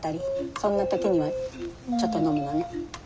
そんな時にはちょっと飲むのね。